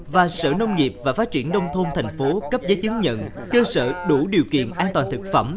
và sở nông nghiệp và phát triển đông thôn thành phố cấp giấy chứng nhận cơ sở đủ điều kiện an toàn thực phẩm